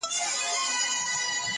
كوم اكبر به ورانوي د فرنګ خونه!.